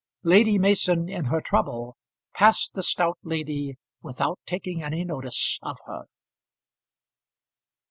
Lady Mason in her trouble passed the stout lady without taking any notice of her.